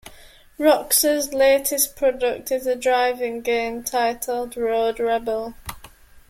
Roxor's latest product is a driving game titled "Road Rebel".